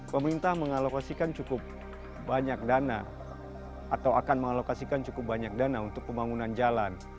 pemerintah mengalokasikan cukup banyak dana atau akan mengalokasikan cukup banyak dana untuk pembangunan jalan